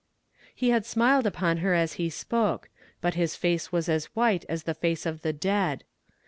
He had smiled upon her as he spoke, but his face was as white as the face of the dead.